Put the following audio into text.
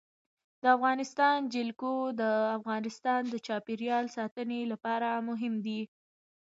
د افغانستان جلکو د افغانستان د چاپیریال ساتنې لپاره مهم دي.